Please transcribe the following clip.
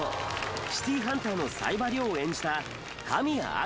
『シティーハンター』の冴羽を演じた神谷明。